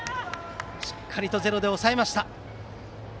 しっかりゼロで抑えました。